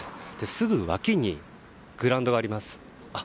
すぐ脇にグラウンドがあります。